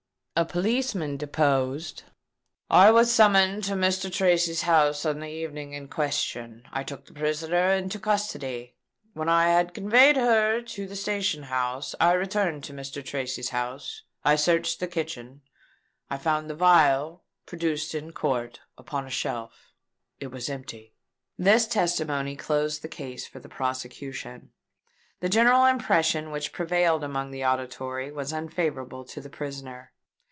A policeman deposed: "I was summoned to Mr. Tracy's house on the evening in question. I took the prisoner into custody. When I had conveyed her to the station house, I returned to Mr. Tracy's house. I searched the kitchen. I found the phial, produced in court, upon a shelf. It was empty." This testimony closed the case for the prosecution. The general impression which prevailed amongst the auditory was unfavourable to the prisoner.